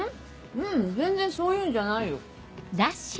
ううん全然そういうんじゃないよ。